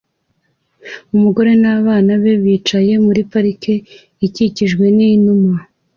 Umugore n'abana be bicaye muri parike ikikijwe n'inuma